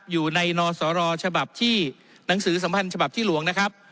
อยู่ในนสรฉบับที่หนังสือสัมพันธ์ฉบับที่หลวงนะครับ